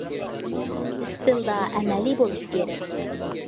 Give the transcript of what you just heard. ئىستىلدا ئەمەلىي بولۇش كېرەك.